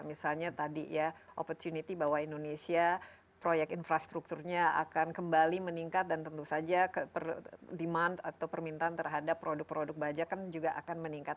misalnya tadi ya opportunity bahwa indonesia proyek infrastrukturnya akan kembali meningkat dan tentu saja demand atau permintaan terhadap produk produk baja kan juga akan meningkat